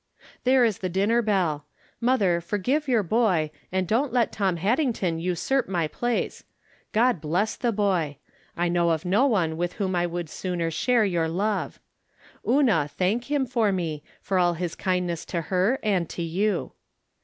There is the dinner bell! JMother, forgive your boy, and don't let Tom Haddington usurp my place. God bless the boy ! I know of no one with whom I would sooner share your love. Una, thank him for me, for all his kindness to her and to you.